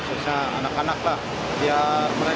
udin menggunakan penulisan buku ini